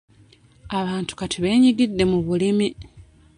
Abantu kati benyigidde mu bulimi.